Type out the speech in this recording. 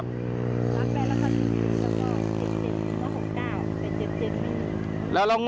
จะหมดเหมือนกัน